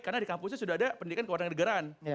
karena di kampusnya sudah ada pendidikan keluarga negaraan